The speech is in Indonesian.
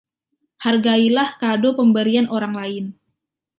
Hargailah kado pemberian orang lain.